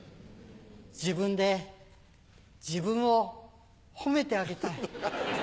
自分で自分を褒めてあげたい。